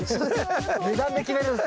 値段で決めるんだ？